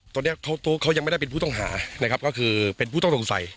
ตอนนี้เขายังไม่ได้เป็นผู้ต้องหานะครับก็คือเป็นผู้ต้องสงสัย